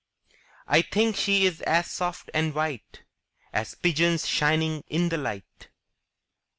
I think she is as soft and white As pigeons shining in the light.